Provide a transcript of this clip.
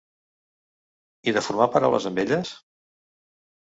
I de formar paraules amb elles?